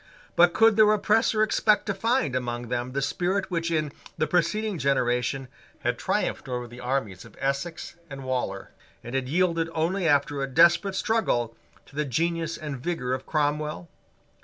But could their oppressor expect to find among them the spirit which in the preceding generation had triumphed over the armies of Essex and Waller, and had yielded only after a desperate struggle to the genius and vigour of Cromwell?